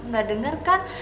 gak denger kan